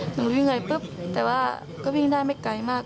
หนูวิ่งไปปุ๊บแต่ว่าก็วิ่งได้ไม่ไกลมาก